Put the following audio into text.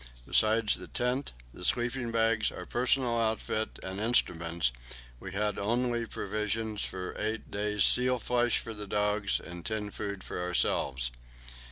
Besides the tent, the sleeping bags, our personal outfit, and instruments, we only had provisions for eight days seals' flesh for the dogs, and tinned food for ourselves.